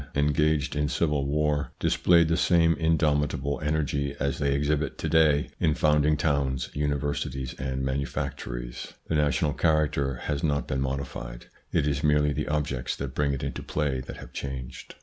24 THE PSYCHOLOGY OF PEOPLES engaged in civil war, displayed the same indomitable energy as they exhibit to day in founding towns, universities, and manufactories. The national charac ter has not been modified ; it is merely the objects that bring it into play that have changed.